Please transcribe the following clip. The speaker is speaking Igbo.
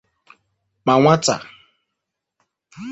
ma nwata